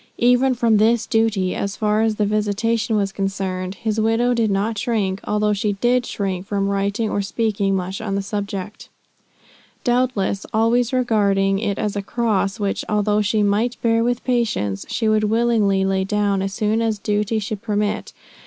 Even from this duty, as far as the visitation was concerned, his widow did not shrink, although she did shrink from writing or speaking much on the subject; doubtless always regarding it as a cross, which although she might bear with patience, she would willingly lay down as soon as duty should permit.